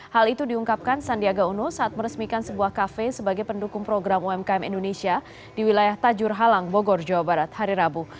hal itu diungkapkan sandiaga uno saat meresmikan sebuah kafe sebagai pendukung program umkm indonesia di wilayah tajur halang bogor jawa barat hari rabu